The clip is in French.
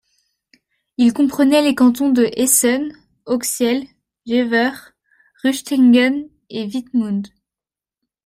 Il comprenait les cantons de Esens, Hooksiel, Jever, Rüstringen et Wittmund.